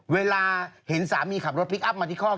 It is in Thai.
เวลาเห็นสามีขับรถพลิกอัพมาที่คอก